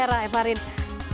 dan pastikan keputusan anda